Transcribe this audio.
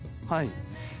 はい。